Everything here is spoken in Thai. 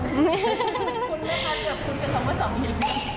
คุ้นเหมือนกันหรอกคุ้นกันเหมือนสามีอย่างไร